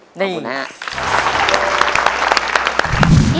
โอ้อินเตอร์ครับขอบคุณฮะ